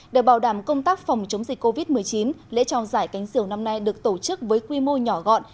để bảo đảm công tác phòng chống dịch covid một mươi chín lễ trao giải cánh diều năm nay được tổ chức với quy mô nhỏ gọn